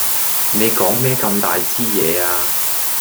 你講咩咁大枝野呀？